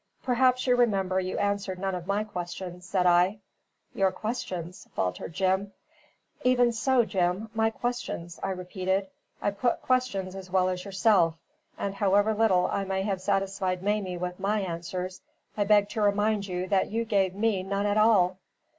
"Perhaps you remember you answered none of my questions," said I. "Your questions?" faltered Jim. "Even so, Jim. My questions," I repeated. "I put questions as well as yourself; and however little I may have satisfied Mamie with my answers, I beg to remind you that you gave me none at all."